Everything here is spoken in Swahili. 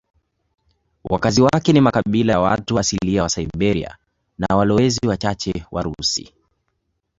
Wakazi wake ni makabila ya watu asilia wa Siberia na walowezi wachache Warusi.